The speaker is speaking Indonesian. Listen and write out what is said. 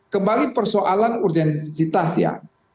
kembali persoalan urgensitas ya